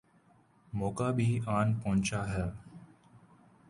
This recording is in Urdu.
موقع بھی آن پہنچا ہے۔